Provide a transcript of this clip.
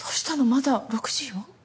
まだ６時よ。